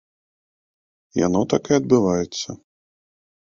Яно так і адбываецца.